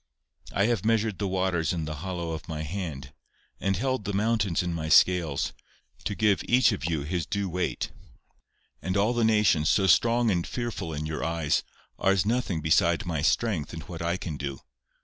I have measured the waters in the hollow of my hand, and held the mountains in my scales, to give each his due weight, and all the nations, so strong and fearful in your eyes, are as nothing beside my strength and what I can do.